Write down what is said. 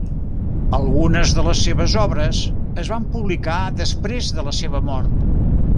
Algunes de les seves obres es van publicar després de la seva mort.